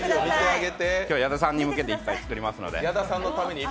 今日は矢田さんのために１杯作りますので。